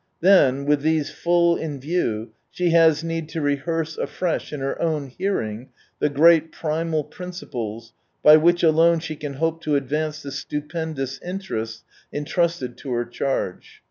Then, with these full in view, she has need to rehearse afresh in her own hearing the great primal principles by which alone she can hope to advance the stupendous interests entrusted to her charge.